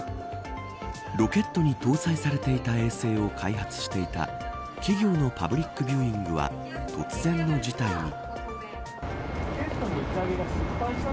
ロケットに搭載されていた衛星を開発していた企業のパブリックビューイングは突然の事態に。